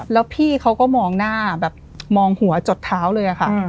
แล้วพี่เขาก็มองหน้าแบบมองหัวจดเท้าเลยค่ะ